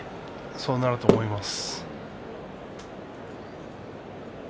そうなると思います。